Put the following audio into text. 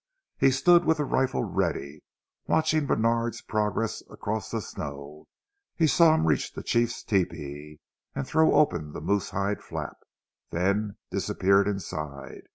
He stood with the rifle ready, watching Bènard's progress across the snow. He saw him reach the chief's tepee, and throw open the moose hide flap, then disappear inside.